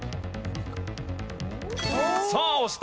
さあ押した。